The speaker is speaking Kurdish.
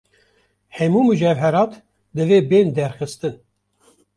Hemû mucewherat divê bên derxistin.